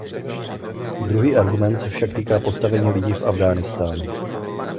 Druhý argument se však týká postavení lidí v Afghánistánu.